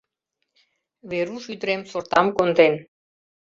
— Веруш ӱдырем сортам конден.